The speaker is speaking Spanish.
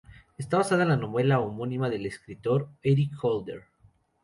Está basada en la novela homónima del escritor Éric Holder.